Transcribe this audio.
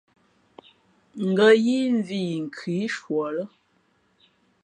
Ngα̌ yíí mvhī yi nkhʉ í shuα lά.